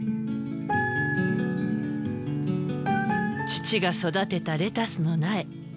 父が育てたレタスの苗。